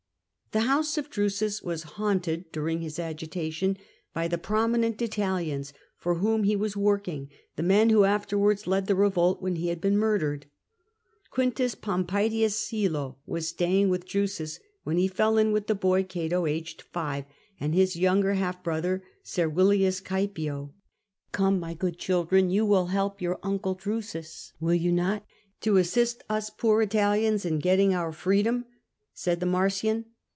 The house of Drusus was haunted, during his agitation, by the prominent Italians for whom he was working, the men who afterwards led the revolt when he had been murdered. Q. Pompaedius Silo was staying with Drusus when he fell in with the boy Cato, aged five, and his younger half brother, Servilius Oaepio. Come, my good children, you will help your uncle Drusus, will you not, to assist us poor Italians in getting our freedom,'' said the Marsian.